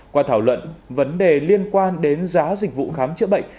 qua thảo luận vấn đề liên quan đến giá dịch vụ khám chữa bệnh